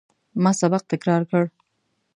ما سبق تکرار کړ.